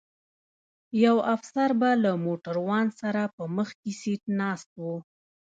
یو افسر به له موټروان سره په مخکي سیټ ناست و.